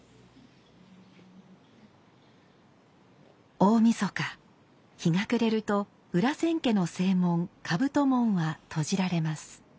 大晦日日が暮れると裏千家の正門兜門は閉じられます。